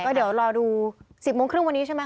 เดี๋ยวรอดู๑๐โมงครึ่งวันนี้ใช่ไหม